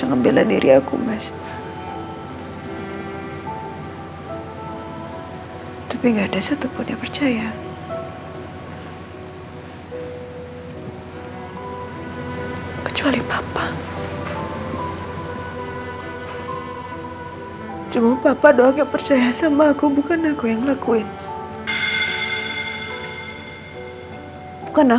yang ngebuat kehidupan aku joyla